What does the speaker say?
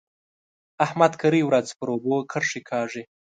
احمد کرۍ ورځ پر اوبو کرښې کاږي.